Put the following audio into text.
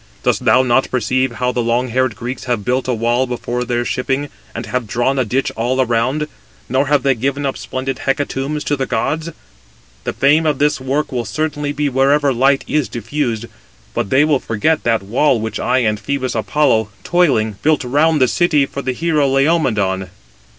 Dost thou not perceive how the long haired Greeks have built a wall before their shipping, and have drawn a ditch all round, nor have they given splendid hecatombs to the gods? The fame of this [work] will certainly be wherever light is diffused: but they will forget that [wall] which I and Phœbus Apollo, toiling, built round the city for the hero Laomedon."